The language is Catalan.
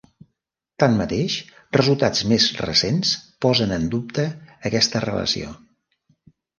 Tanmateix, resultats més recents posen en dubte aquesta relació.